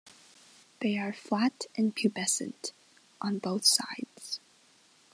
They are flat and pubescent on both sides.